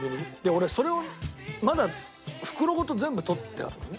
俺それをまだ袋ごと全部取ってあるのね。